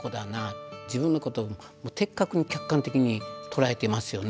自分のこと的確に客観的に捉えていますよね。